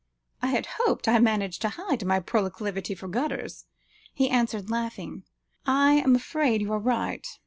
"I hoped I had managed to hide my proclivity for gutters," he answered laughing. "I am afraid you are right.